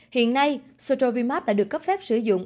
hiện nay strovimab đã được cấp phép sử dụng